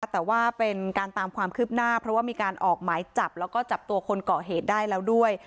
แต่ว่าเป็นการตามความคืบหน้าเพราะว่ามีการออกหมายจับแล้วก็จับตัวคนเกาะเหตุได้แล้วด้วย